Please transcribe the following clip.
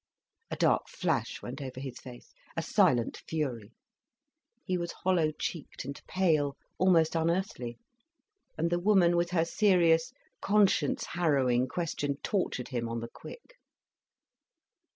A dark flash went over his face, a silent fury. He was hollow cheeked and pale, almost unearthly. And the woman, with her serious, conscience harrowing question tortured him on the quick.